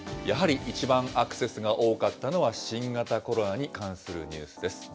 やはり一番アクセスが多かったのは新型コロナに関するニュースです。